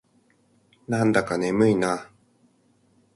なんだか眠いな。